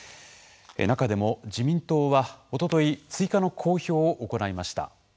中でも、自民党はおととい追加の公表を行いました。